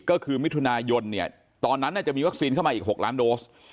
ก็คือมิถุนายนเนี่ยตอนนั้นจะมีวัคซีนเข้ามาอีก๖ล้านโดส